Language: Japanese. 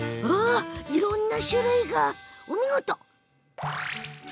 いろんな種類が、お見事。